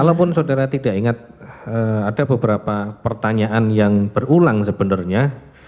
kalaupun saudara tidak ingat ada beberapa pertanyaan yang berulang sebenarnya